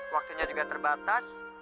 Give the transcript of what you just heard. waktunya juga terbatas